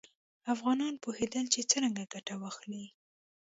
افغانان پوهېدل چې څرنګه ګټه واخلي.